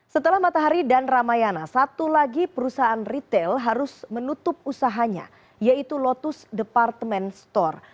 setelah matahari dan ramayana satu lagi perusahaan retail harus menutup usahanya yaitu lotus departemen store